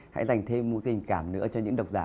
hãy dành thêm một tình cảm nữa cho những độc giả